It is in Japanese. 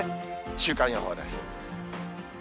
週間予報です。